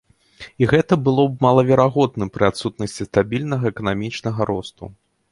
І гэта было б малаверагодным пры адсутнасці стабільнага эканамічнага росту.